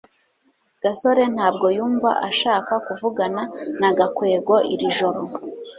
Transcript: gasore ntabwo yumva ashaka kuvugana na gakwego iri joro